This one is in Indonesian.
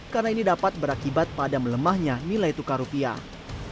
karena ini dapat berakibat pada melemahnya nilai tukar rupiah